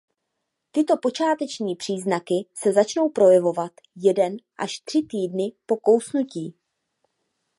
Tyto počáteční příznaky se začnou projevovat jeden až tři týdny po kousnutí.